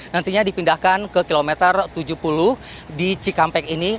nantinya dipindahkan ke kilometer tujuh puluh di cikampek ini